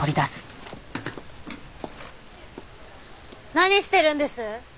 何してるんです？